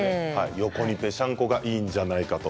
横にぺしゃんこがいいんじゃないかと。